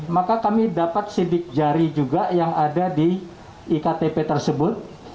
maka kami dapat sidik jari juga yang ada di iktp tersebut